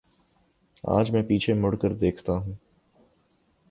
آج میں پیچھے مڑ کر دیکھتا ہوں۔